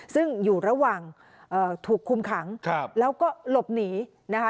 ซึ่งอยู่ระหว่างถูกคุมขังแล้วก็หลบหนีนะคะ